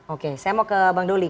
oke saya mau ke bang doli